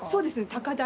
高台！？